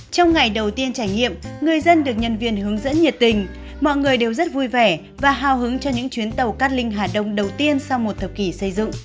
trong ngày đầu tiên trải nghiệm người dân được nhân viên hướng dẫn nhiệt tình mọi người đều rất vui vẻ và hào hứng cho những chuyến tàu cát linh hà đông đầu tiên sau một thập kỷ xây dựng